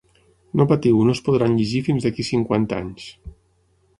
No patiu no es podran llegir fins d'aquí cinquanta anys.